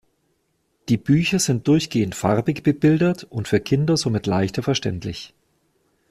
Die Bücher sind durchgehend farbig bebildert und für Kinder somit leichter verständlich.